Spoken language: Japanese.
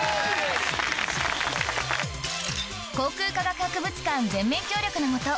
航空科学博物館全面協力の下